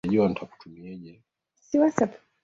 emanuel makundi ametuandalia taifa ifuatayo